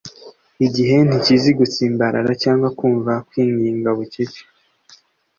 igihe ntikizi gutsimbarara cyangwa kumva kwinginga bucece